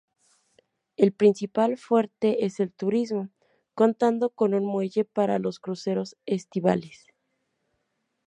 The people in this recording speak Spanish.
El principal fuerte es el turismo, contando con un muelle para los cruceros estivales.